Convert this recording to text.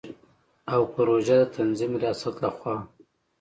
او پروژو د تنظیم ریاست له خوا